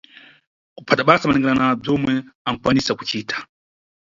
Kuphata basa malingana na bzomwe ankwanisa kucita.